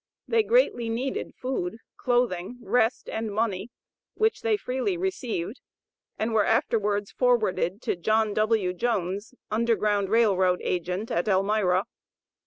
They greatly needed food, clothing, rest, and money, which they freely received, and were afterwards forwarded to John W. Jones, Underground Rail Road agent, at Elmira.